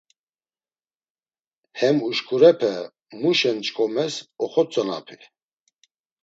Hem uşkurepe muşen ç̆k̆omes oxotzonapi.